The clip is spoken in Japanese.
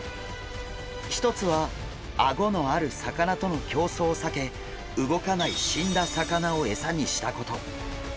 一つはアゴのある魚との競争を避け動かない死んだ魚を餌にしたこと。